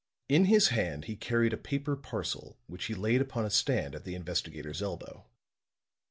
In his hand he carried a paper parcel which he laid upon a stand at the investigator's elbow.